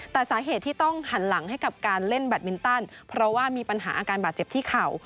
แต่สาเหตุที่ต้องหันหลังให้กับการเล่นแบตมินตันเพราะว่ามีปัญหาอาการบาดเจ็บที่เข่า